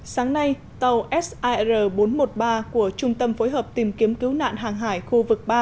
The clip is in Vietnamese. sáng nay tàu sir bốn trăm một mươi ba của trung tâm phối hợp tìm kiếm cứu nạn hàng hải khu vực ba